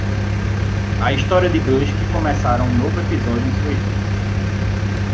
A história de dois que começaram um novo episódio em suas vidas.